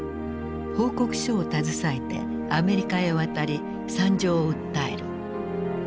報告書を携えてアメリカへ渡り惨状を訴える。